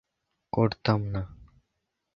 এ ঘটনাটি ব্যাপক বিতর্কের সৃষ্টি করে।